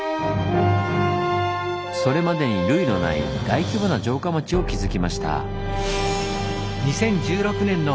それまでに類のない大規模な城下町を築きました。